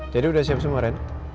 jadi udah siap semua ren